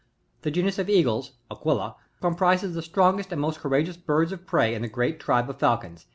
39. The genus of Eagles, — d^^rtit'/n, . comprises the strongest and most courageous birds of prey of the great tribe of Falcons